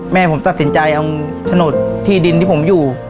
แม่ผมตัดสินใจเอาโฉนดที่ดินที่ผมอยู่